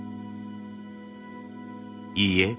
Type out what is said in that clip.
いいえ